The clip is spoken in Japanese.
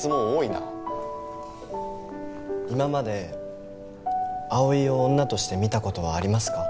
今まで葵を女として見た事はありますか？